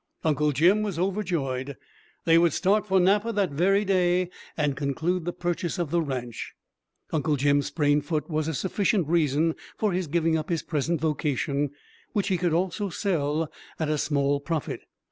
Uncle Jim was overjoyed. They would start for Napa that very day, and conclude the purchase of the ranch; Uncle Jim's sprained foot was a sufficient reason for his giving up his present vocation, which he could also sell at a small profit.